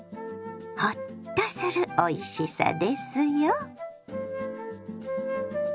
ホッとするおいしさですよ。